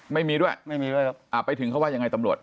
ไม่มีด้วยไม่มีด้วยครับอ่าไปถึงเขาว่ายังไงตำรวจ